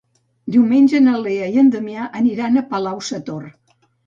Diumenge na Lea i en Damià aniran a Palau-sator.